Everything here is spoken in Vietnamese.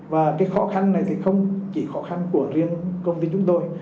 và cái khó khăn này thì không chỉ khó khăn của riêng công ty chúng tôi